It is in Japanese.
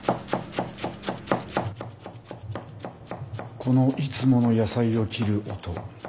このいつもの野菜を切る音。